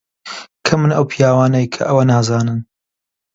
کەمن ئەو پیاوانەی کە ئەوە نازانن.